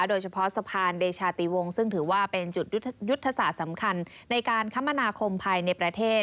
โดยเฉพาะสะพานเดชาติวงศ์ซึ่งถือว่าเป็นจุดยุทธศาสตร์สำคัญในการคมนาคมภายในประเทศ